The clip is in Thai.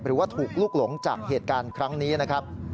หรือว่าถูกลุกหลงจากเหตุการณ์ครั้งนี้นะครับ